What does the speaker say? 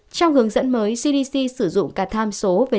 trong hướng dẫn mới